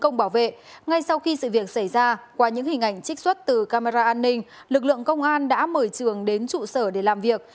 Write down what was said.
công bảo vệ ngay sau khi sự việc xảy ra qua những hình ảnh trích xuất từ camera an ninh lực lượng công an đã mời trường đến trụ sở để làm việc